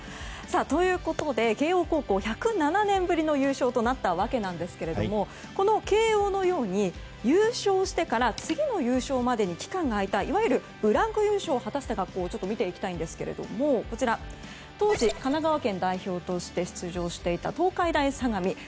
ということで慶応高校、１０７年ぶりの優勝となったわけですがこの慶応のように優勝してから次の優勝までに期間があいたいわゆるブランク優勝を果たした学校を見ていきたいと思いますが当時、神奈川県代表として出場していた東海大相模高校。